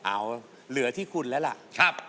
เอาเหลือที่คุณแล้วล่ะ